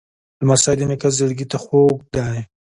لمسی د نیکه زړګي ته خوږ دی.